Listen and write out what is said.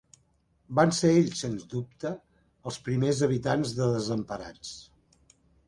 Van ser ells, sens dubte, els primers habitants de Desemparats.